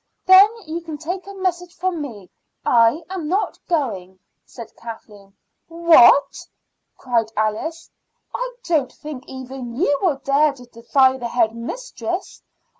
"Then you can take a message from me; I am not going," said Kathleen. "What?" cried Alice. "I don't think even you will dare to defy the head mistress.